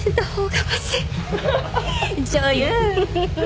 女優！